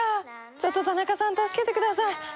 ちょっとタナカさん助けてください。